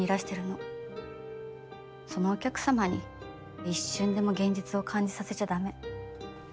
そのお客様に一瞬でも現実を感じさせちゃ駄目。